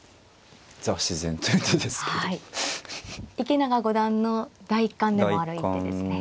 池永五段の第一感でもある一手ですね。